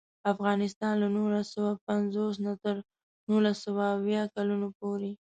افغانستان له نولس سوه پنځوس نه تر نولس سوه اویا کلونو پورې.